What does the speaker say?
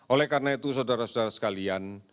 oleh karena itu saudara saudara sekalian